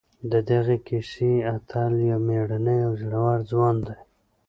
د دغې کیسې اتل یو مېړنی او زړور ځوان دی.